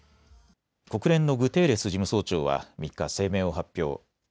国連のグテーレス事務総長は３日、声明を発表。